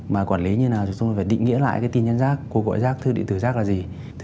mà quản lý như thế nào chúng tôi phải định nghĩa lại cái tin nhắn rác cuộc gọi rác thư định tử rác là gì